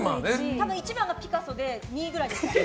多分、１番はピカソで２位くらいですね。